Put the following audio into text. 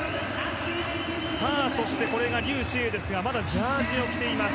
そして、これがリュウ・シエイですがまだジャージーを着ています。